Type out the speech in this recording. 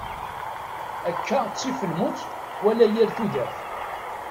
Akka ttif lmut wala yir tudert.